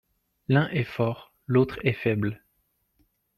L'un est fort, l'autre est faible.